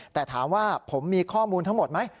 แต่ถามว่าผมมีข้อมูลทั้งหมดไหม